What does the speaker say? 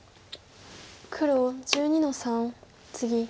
黒１２の三ツギ。